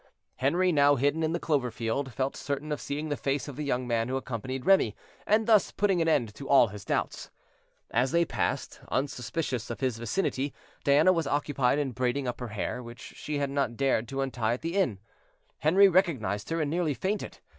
Henri, now hidden in the clover field, felt certain of seeing the face of the young man who accompanied Remy, and thus putting an end to all his doubts. As they passed, unsuspicious of his vicinity, Diana was occupied in braiding up her hair, which she had not dared to untie at the inn. Henri recognized her, and nearly fainted.